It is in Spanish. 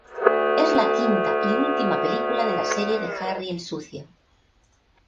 Es la quinta y última película de la serie de Harry el sucio".